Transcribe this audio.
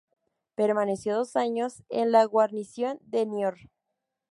Permaneció dos años en la guarnición de Niort.